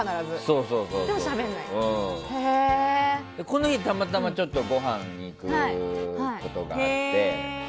この日たまたま、ちょっとご飯に行くことがあって。